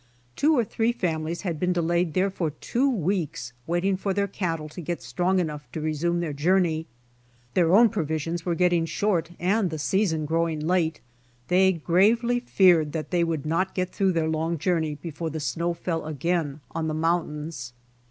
Two or three fami lies had been delayed there for two weeks waiting for their cattle to get strong enough to resume their journey. Their own provisions were getting short and the season growing late, they gravely feared that they would not get through their long journey before the snow fell again on the mountains.